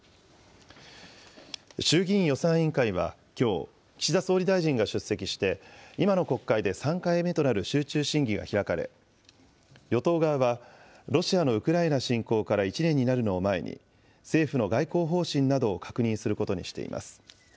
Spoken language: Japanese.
衆議院予算委員会はきょう、岸田総理大臣が出席して今の国会で３回目となる集中審議が開かれ、与党側は、ロシアのウクライナ侵攻から１年になるのを前に、政府の外交方針などを確認することにしています。